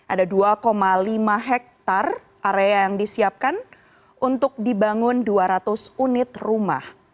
ada dua lima hektare area yang disiapkan untuk dibangun dua ratus unit rumah